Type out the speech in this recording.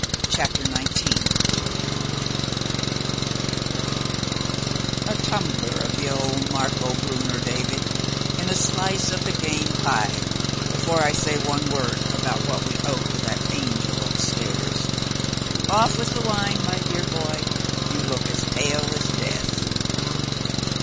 CHAPTER XIX "A tumbler of the old Marcobrunner, David, and a slice of the game pie before I say one word about what we owe to that angel upstairs. Off with the wine, my dear boy; you look as pale as death!"